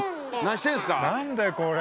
何だこれ！